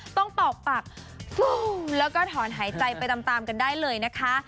ต้องตอบปากแล้วก็ถอนหายใจไปตามกันได้เลยนะคะ